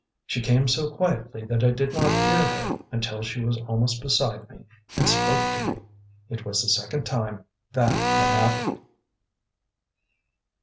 She came so quietly that I did not hear her until she was almost beside me and spoke to me. It was the second time that had happened.